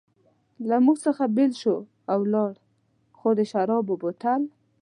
له موږ څخه بېل شو او ولاړ، ما د شرابو بوتل.